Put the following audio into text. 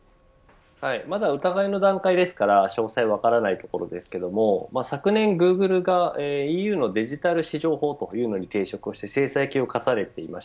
まだ疑いの段階なので詳細は分かりませんが昨年グーグルがＥＵのデジタル市場法に抵触して制裁金を科されています。